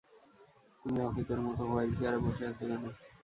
তুমি অকেজোর মতো হুইলচেয়ারে বসে আছ কেন?